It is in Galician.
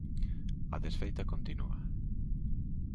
A desfeita continúa.